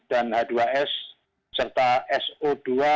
dan h dua s serta so dua